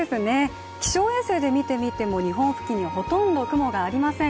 気象衛星で見てみても、日本付近にはほとんど雲がありません。